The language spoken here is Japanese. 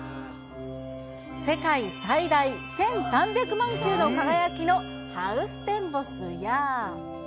世界最大１３００万球の輝きのハウステンボスや。